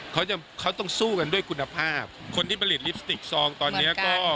เขาจะเขาต้องสู้กันด้วยคุณภาพคนที่ผลิตลิปสติกซองตอนเนี้ยก็